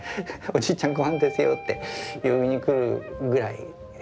「おじいちゃんごはんですよ」って呼びに来るぐらい。